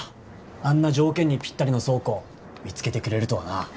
あんな条件にピッタリの倉庫見つけてくれるとはな。